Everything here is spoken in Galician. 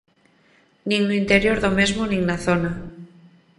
Nin no interior do mesmo nin na zona.